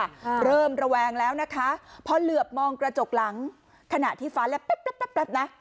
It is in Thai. ก็เริ่มระแวงแล้วนะคะพอเหลือบมองกระจกหลังขณะที่ฟ้าแล้วแป๊บนะ